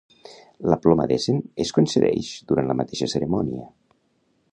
La Ploma d'Essen es concedeix durant la mateixa cerimònia.